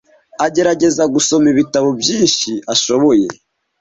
Agerageza gusoma ibitabo byinshi ashoboye.